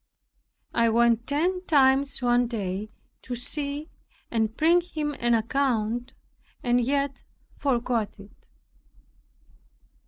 I went ten times one day, to see and bring him an account and yet forgot it.